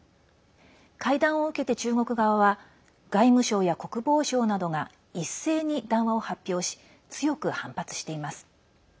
会談を受けて、中国側は外務省や国防省などが一斉に談話を発表し強く反発しています。